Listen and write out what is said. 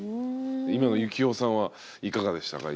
今のユキヒョウさんはいかがでしたか？